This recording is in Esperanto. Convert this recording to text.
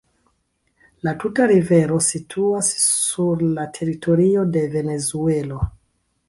La tuta rivero situas sur la teritorio de Venezuelo.